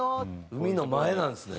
海の前なんですね。